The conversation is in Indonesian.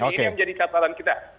ini yang menjadi katalan kita